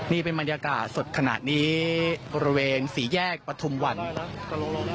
นี่เป็นบรรยากาศสดขนาดนี้บริเวณสี่แยกปฐุมวัน